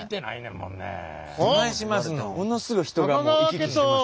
ものすごい人が行き来してます。